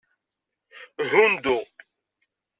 Hundu.